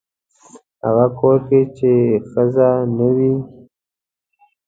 هغه کور کې چې ښځه نه وي.